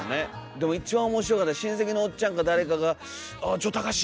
でも一番面白かったのは親戚のおっちゃんか誰かが「あちょっと隆史